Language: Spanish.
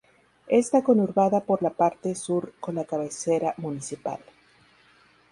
Esta conurbada por la parte sur con la cabecera municipal.